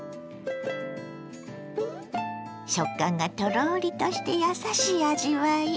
食感がトロリとしてやさしい味わい。